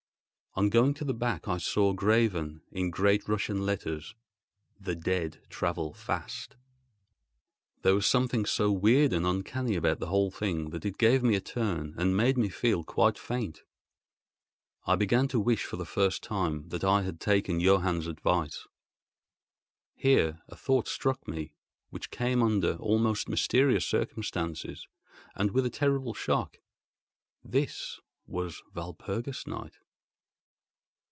On going to the back I saw, graven in great Russian letters: "The dead travel fast." There was something so weird and uncanny about the whole thing that it gave me a turn and made me feel quite faint. I began to wish, for the first time, that I had taken Johann's advice. Here a thought struck me, which came under almost mysterious circumstances and with a terrible shock. This was Walpurgis Night!